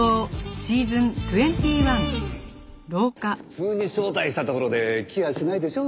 普通に招待したところで来やしないでしょ？